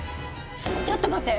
ちょっと待って！